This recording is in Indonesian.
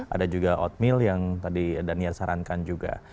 ada juga oatmeal yang tadi dania sarankan juga